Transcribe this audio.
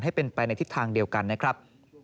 ให้เป็นไปในทิศทางเดียวกันนะครับ